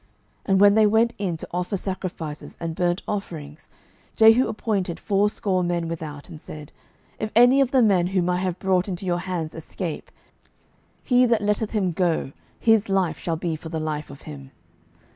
12:010:024 And when they went in to offer sacrifices and burnt offerings, Jehu appointed fourscore men without, and said, If any of the men whom I have brought into your hands escape, he that letteth him go, his life shall be for the life of him.